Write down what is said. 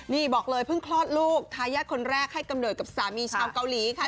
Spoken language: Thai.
นี่บอกเลยเพิ่งคลอดลูกทายาทคนแรกให้กำเนิดกับสามีชาวเกาหลีค่ะ